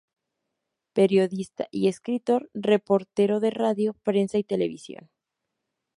Periodista y escritor, reportero de radio, prensa y televisión.